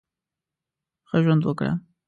ښه ژوند وکړه !